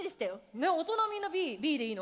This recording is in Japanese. ねっ大人みんなＢＢでいいの？